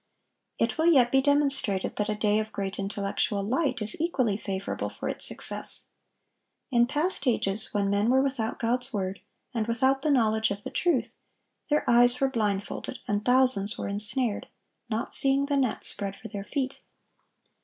It will yet be demonstrated that a day of great intellectual light is equally favorable for its success. In past ages, when men were without God's word, and without the knowledge of the truth, their eyes were blindfolded, and thousands were ensnared, not seeing the net spread for their feet.